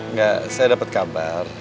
nggak saya dapet kabar